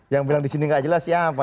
yang bilang di sini nggak jelas siapa